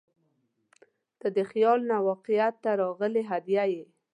• ته د خیال نه واقعیت ته راغلې هدیه یې.